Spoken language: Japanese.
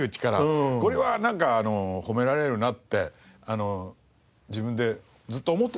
これはなんか褒められるなって自分でずっと思ってたんです。